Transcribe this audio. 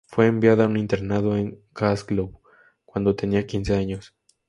Fue enviada a un internado en Glasgow cuando tenía quince años.